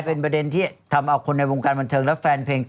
เป็นประเด็นที่ทำเอาคนในวงการบันเทิงและแฟนเพลง